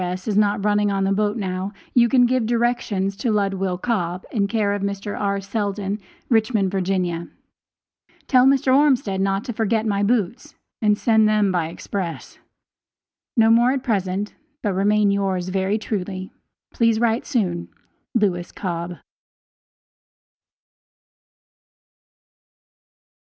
S., is not running on the boat now, you can give directions to Ludwill Cobb, in care of Mr. R. Seldon, Richmond, Va. Tell Mr. Ormsted not to forget my boots and send them by express. No more at present, but remain yours very truly, Please write soon. LEWIS COBB.